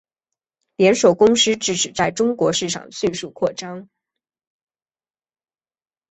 连锁公司自此在中国市场迅速扩张。